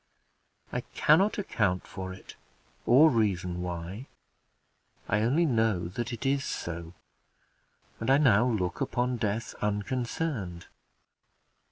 I cannot account for it, or reason why; I only know that it is so, and I now look upon death unconcerned.